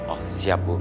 oh siap bu